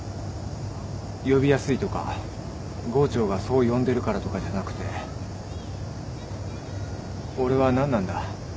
呼びやすいとか郷長がそう呼んでるからとかじゃなくて俺は何なんだ？